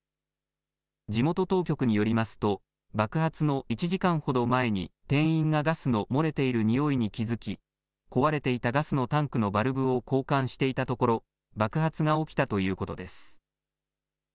地元当局によりますと爆発の１時間ほど前に店員がガスの漏れているにおいに気付き、壊れていたガスのタンクのバルブを交換していたところ爆発が起きたということです。